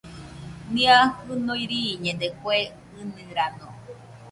Nia jinui riiñede kue ɨnɨrano